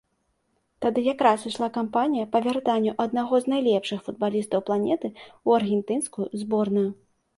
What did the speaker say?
Тады якраз ішла кампанія па вяртанню аднаго з найлепшых футбалістаў планеты ў аргентынскую зборную.